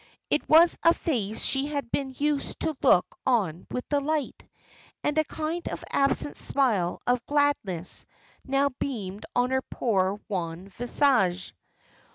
It was a face she had been used to look on with delight, and a kind of absent smile of gladness now beamed on her poor wan visage.